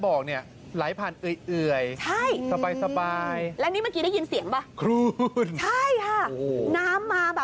โอโฮผู้ขอบคุณผู้ชม